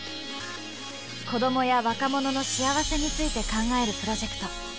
子どもや若者の幸せについて考えるプロジェクト。